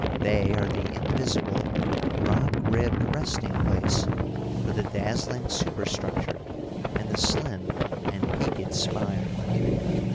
They are the invisible, rock ribbed resting place for the dazzling superstructure and the slim and peaked spire.